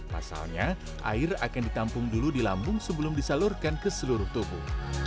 pasalnya air akan ditampung dulu di lambung sebelum disalurkan ke seluruh tubuh